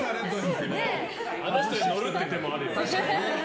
あの人に乗るっていう手もあるよ。